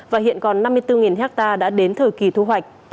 và hiện còn năm mươi bốn hectare đã đến thời kỳ thu hoạch